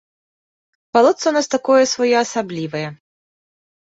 Балотца ў нас такое своеасаблівае.